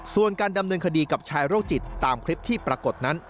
ส่วนการดำเนินคดีกับชายโรคจิตตามคลิปที่ปรากฏนั้น